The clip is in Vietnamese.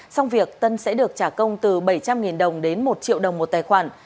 xong việc tân sẽ được trả công từ bảy trăm linh đồng đến một triệu đồng một tài khoản